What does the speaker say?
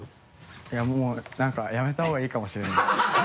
いやもうなんかやめた方がいいかもしれないです。